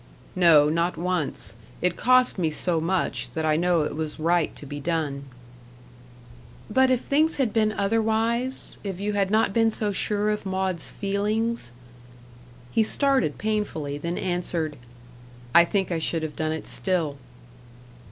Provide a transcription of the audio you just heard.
"No not once. It cost me so much, that I know it was right to be done." "But if things had been otherwise if you had not been so sure of Maud's feelings " He started, painfully; then answered "I think I should have done it still."